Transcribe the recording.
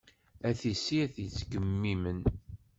A tissirt yettgemimen.